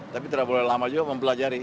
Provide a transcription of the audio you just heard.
tapi tidak boleh lama juga mempelajari